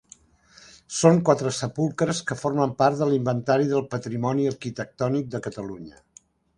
Són quatre sepulcres que formen part de l'Inventari del Patrimoni Arquitectònic de Catalunya.